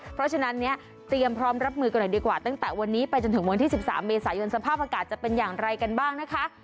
เพราะฉะนั้นเนี่ยเตรียมพร้อมรับมือกันหน่อยดีกว่าตั้งแต่วันนี้ไปจนถึงวันที่๑๓เมษายนสภาพอากาศจะเป็นอย่างไรกันบ้างนะคะ